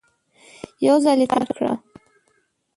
یو ځل یې تکرار کړه !